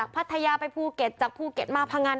พัทยาไปภูเก็ตจากภูเก็ตมาพังัน